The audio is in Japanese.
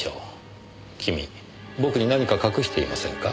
君僕に何か隠していませんか？